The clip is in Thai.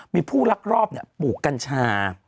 มีผู้รักรอบเนี่ยปลูกกัญชา